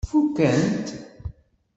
Fukken-t?